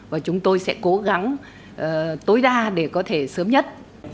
và chúng tôi sẽ cố gắng tối đa để có thể sớm nhất